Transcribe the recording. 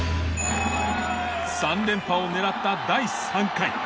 ３連覇を狙った第３回。